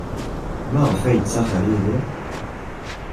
Maɣef ay yettaxer Yidir?